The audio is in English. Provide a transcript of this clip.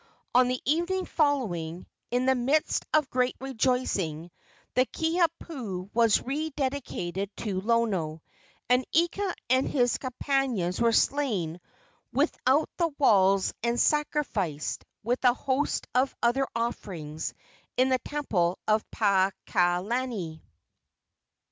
On the evening following, in the midst of great rejoicing, the Kiha pu was rededicated to Lono, and Ika and his companions were slain without the walls and sacrificed, with a host of other offerings, in the temple of Paakalani.